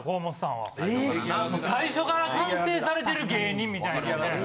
最初から完成されてる芸人みたいな。